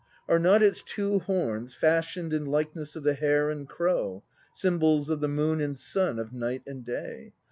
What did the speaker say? Are not its two horns fashioned In likeness of the Hare and Crow, Symbols of the Moon and Sun, of Night and Day?